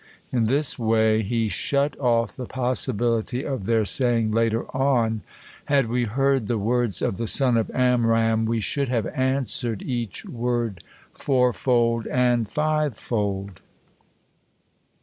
In this way he shut off the possibility of their saying later on, "Had we heard the words of the son of Amram, we should have answered each word fourfold and fivefold."